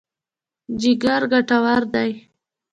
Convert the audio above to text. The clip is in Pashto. جګر ګټور دی.